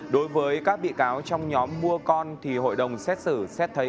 đối với các bị cáo trong nhóm mua con thì hội đồng xét xử xét thấy